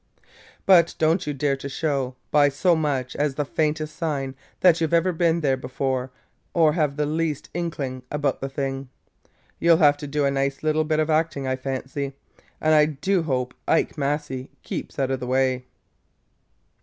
But don't you dare to show, by so much as the faintest sign, that you 've ever been there before or have the least inkling about the thing. You 'll have to do a nice little bit of acting, I fancy! And I do hope Ike Massey keeps out of the way!"